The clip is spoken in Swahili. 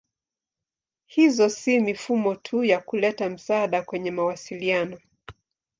Hizo si mifumo tu ya kuleta msaada kwenye mawasiliano.